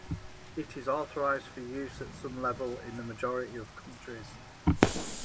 It is authorized for use at some level in the majority of countries.